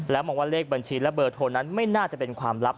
มองว่าเลขบัญชีและเบอร์โทรนั้นไม่น่าจะเป็นความลับ